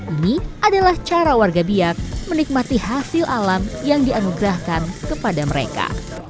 ini adalah cara warga biak menikmati hasil alam yang dianugerahkan kepada mereka